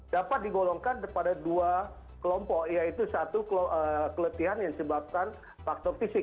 dapat digolongkan pada dua kelompok yaitu satu keletihan yang disebabkan faktor fisik